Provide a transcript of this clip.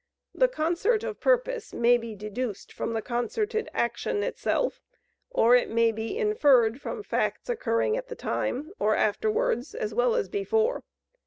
The concert of purpose may be deduced from the concerted action itself, or it may be inferred from facts occurring at the time, or afterwards, as well as before.